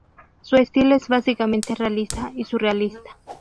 Su estilo es básicamente realista y surrealista.